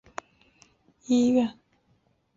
接连搭车赶到了医院